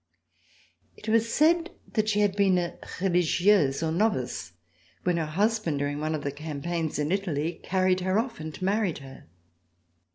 It was said that she had been a religteuse or novice when her husband, during one of the campaigns in Italy, carried her off and married her.